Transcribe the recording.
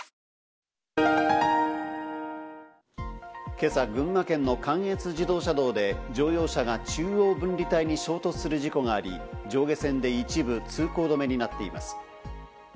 今朝、群馬県の関越自動車道で乗用車が中央分離帯に衝突する事故があり、上下線で一部通行止めになっています。